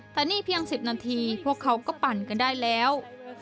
แต่นี่เพียง๑๐นาทีพวกเขาก็ปั่นกันได้แล้ว